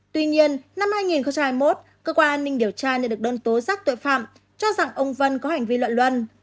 tuy nhiên năm hai nghìn hai mươi một cơ quan an ninh điều tra nhận được đơn tố giác tội phạm cho rằng ông vân có hành vi lợi luân